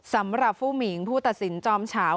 สำหรับผู้หมิงผู้ตัดสินจอมเฉา